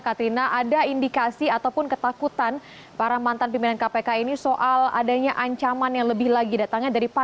katrina ada indikasi ataupun ketakutan para mantan pimpinan kpk ini soal adanya ancaman yang lebih lagi datangnya dari pan